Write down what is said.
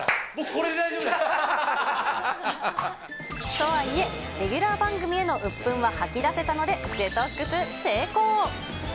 とはいえ、レギュラー番組へのうっぷんは吐き出せたので、デトックス成功。